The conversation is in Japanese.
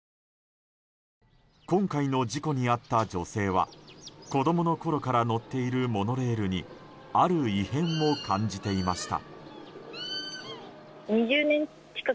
今回の事故に遭った女性は子供のころから乗っているモノレールにある異変を感じていました。